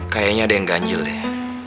kayaknya ada yang ganjil ya